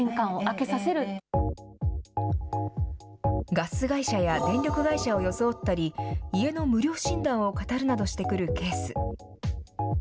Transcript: ガス会社や電力会社を装ったり、家の無料診断をかたるなどしてくるケース。